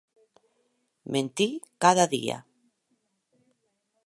Mentir cada dia!